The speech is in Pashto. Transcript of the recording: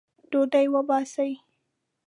ډوډۍ وباسئ